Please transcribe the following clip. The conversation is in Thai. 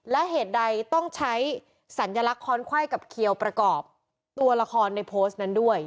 และเหตุใดต้องใช้สัญลักษณ์ค้อนไขว้กับเขียวประกอบตัวละครในโพสต์นั้นด้วย